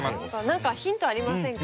何かヒントありませんか？